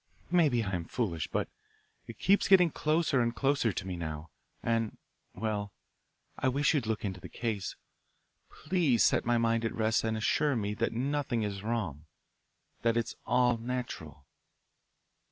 Maybe I am foolish, but it keeps getting closer and closer to me now, and well, I wish you'd look into the case. Please set my mind at rest and assure me that nothing is wrong, that it is all natural."